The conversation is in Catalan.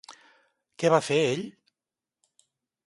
Què va fer ell?